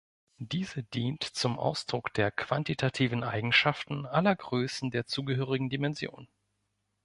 Diese dient zum Ausdruck der quantitativen Eigenschaften aller Größen der zugehörigen Dimension.